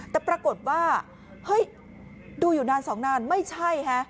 แต่ปรากฏว่าเฮ้ยดูอยู่นานสองนานไม่ใช่ฮะ